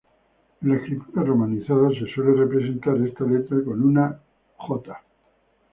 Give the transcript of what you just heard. En la escritura romanizada se suele representar esta letra con una "j".